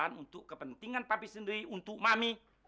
aku bilang keluar